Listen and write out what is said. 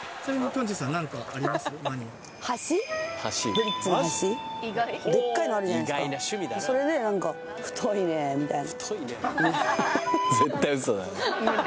ブリッジの橋でっかいのあるじゃないですかそれでなんかみたいな